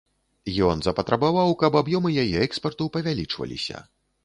Ён запатрабаваў, каб аб'ёмы яе экспарту павялічваліся.